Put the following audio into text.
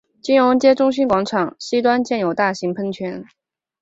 金融街中心广场西端建有大型喷泉。